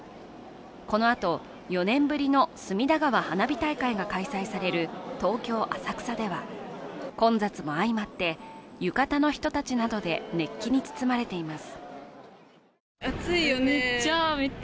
このあと、４年ぶりの隅田川花火大会が開催される東京・浅草では混雑も相まって、浴衣の人たちなどで熱気に包まれています。